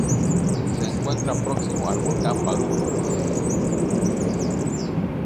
Se encuentra próximo al volcán Barú.